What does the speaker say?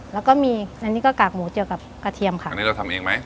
แล้วก็มีอันนี้ก็กากหมูเกี่ยวกับกระเทียมค่ะอันนี้เราทำเองไหม